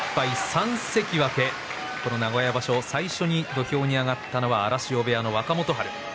３関脇、最初に土俵に上がったのは荒汐部屋の若元春。